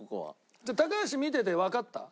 じゃあ高橋見ててわかった？